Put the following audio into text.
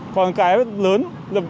còn cái lớn